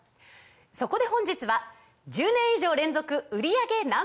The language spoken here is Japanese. そこで本日は１０年以上連続売り上げＮｏ．１